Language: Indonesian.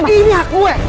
ini hak gue